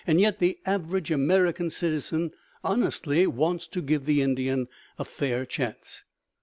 Yet the average American citizen honestly wants to give the Indian a fair chance!